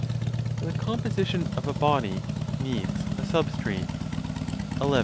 THE COMPOSITION OF A BODY NEEDS A SUBSTRATE. 11.